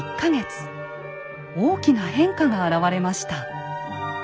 大きな変化が現れました。